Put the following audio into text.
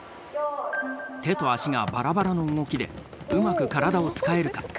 手と足がバラバラの動きでうまく体を使えるか？